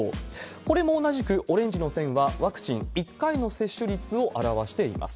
これも同じく、オレンジの線はワクチン１回の接種率を表しています。